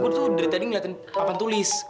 gue tuh dari tadi ngeliatin papan tulis